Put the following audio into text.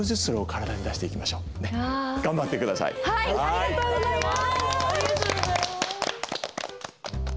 ありがとうございます！